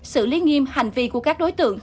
xử lý nghiêm hành vi của các đối tượng